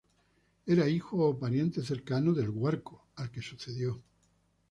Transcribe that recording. Era hijo o pariente cercano de El Guarco, al que sucedió.